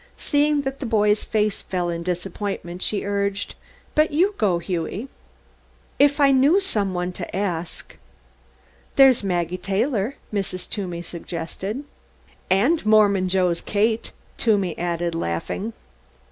Seeing that the boy's face fell in disappointment she urged, "But you go, Hughie." "If I knew some one to ask " "There's Maggie Taylor," Mrs. Toomey suggested. "And Mormon Joe's Kate," Toomey added, laughing.